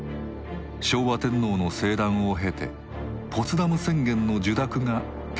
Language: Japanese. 昭和天皇の聖断を経てポツダム宣言の受諾が決定されます。